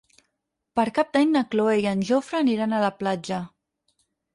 Per Cap d'Any na Cloè i en Jofre aniran a la platja.